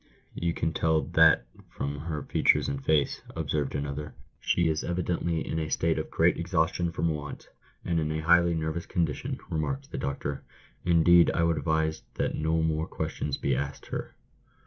"You can tell that from her features and face," observed another. " She is evidently in a state of great exhaustion from want, and in a highly nervous condition," remarked the doctor. "Indeed, I would advise that no more questions be asked her."